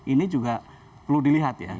ini juga perlu dilihat ya